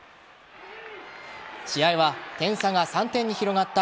試合は点差が３点に広がった